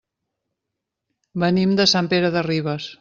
Venim de Sant Pere de Ribes.